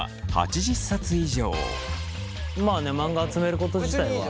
まあねマンガ集めること自体は。